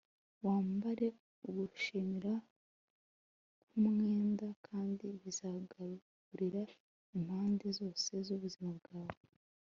wambare ugushimira nk'umwenda kandi bizagaburira impande zose z'ubuzima bwawe